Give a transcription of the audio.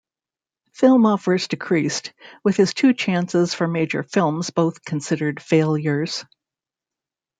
Film offers decreased, with his two chances for major films both considered failures.